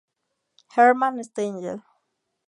Herman Stengel